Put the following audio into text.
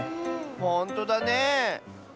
ほんとだねえ。